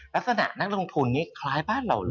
ลักษณะนักลงทุนนี้คล้ายบ้านเราเลย